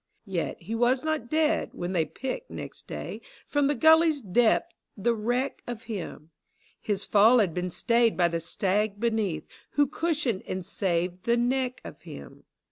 Yet he was not dead when they picked next day From the gully's depth the wreck of him ; His fall had been stayed by the stair beneath Who cushioned and saved the neck of him.